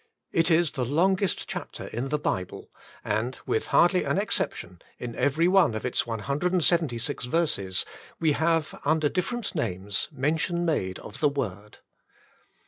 It is the longest chapter in the Bible, and, with hardly an exception, in every one of its 176 verses, we have, under different names, mention made of the Word.